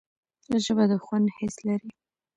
ژبه د خوند حس لري